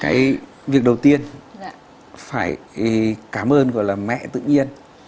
cái việc đầu tiên phải cảm ơn gọi là mẹ tự nhiên